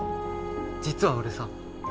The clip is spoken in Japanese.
実は俺さ。